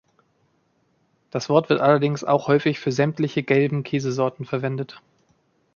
Das Wort wird allerdings auch häufig für sämtliche gelben Käsesorten verwendet.